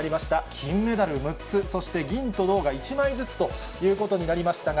金メダル６つ、そして銀と銅が１枚ずつということになりましたが。